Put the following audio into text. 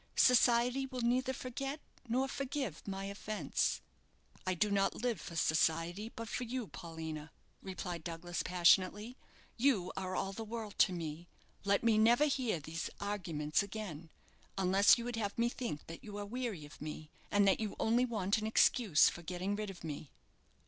Society will neither forget nor forgive my offence." "I do not live for society, but for you, Paulina," replied Douglas, passionately; "you are all the world to me. Let me never hear these arguments again, unless you would have me think that you are weary of me, and that you only want an excuse for getting rid of me."